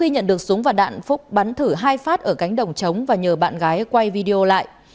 nhận được súng và đạn phúc bắn thử hai phát ở cánh đồng trống và nhờ bạn gái quay video lại